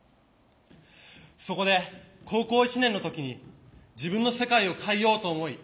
そこで高校１年の時に自分の世界を変えようと思い